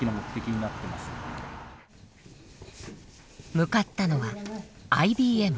向かったのはＩＢＭ。